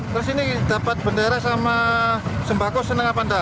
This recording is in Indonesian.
terus ini dapat bendera sama sembahkus senang apa anda